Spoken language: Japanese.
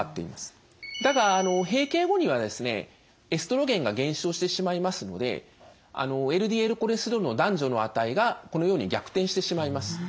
だが閉経後にはですねエストロゲンが減少してしまいますのでＬＤＬコレステロールの男女の値がこのように逆転してしまいます。